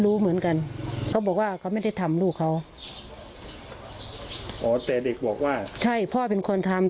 รู้เหมือนกันเขาบอกว่าเขาไม่ได้ทำลูกเขาอ๋อแต่เด็กบอกว่าใช่พ่อเป็นคนทำ